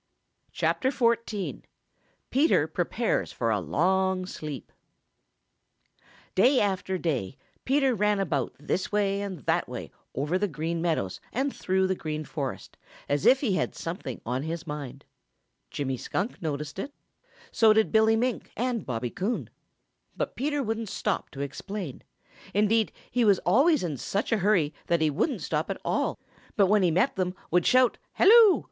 XXIV. PETER PREPARES FOR A LONG SLEEP |DAY after day Peter Rabbit ran about this way and that over the Green Meadows and through the Green Forest, as if he had something on his mind. Jimmy Skunk noticed it. So did Billy Mink and Bobby Coon. But Peter wouldn't stop to explain. Indeed, he was always in such a hurry that he wouldn't stop at all, but when he met them would shout "Hello!"